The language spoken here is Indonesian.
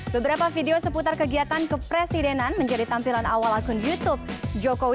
beberapa video seputar kegiatan kepresidenan menjadi tampilan awal akun youtube jokowi